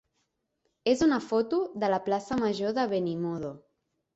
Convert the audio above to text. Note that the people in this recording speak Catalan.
és una foto de la plaça major de Benimodo.